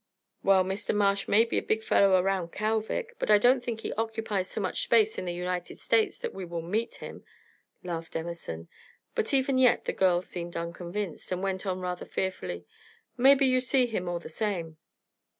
"Well, Mr. Marsh may be a big fellow around Kalvik, but I don't think he occupies so much space in the United States that we will meet him," laughed Emerson; but even yet the girl seemed unconvinced, and went on rather fearfully: "Maybe you see him all the same."